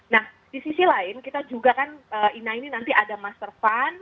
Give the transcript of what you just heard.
nah di sisi lain kita juga kan ina ini nanti ada master fund